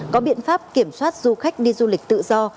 có biện pháp kiểm soát du khách đi du lịch tự do